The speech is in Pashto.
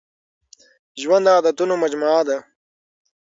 ژوند د عادتونو مجموعه ده.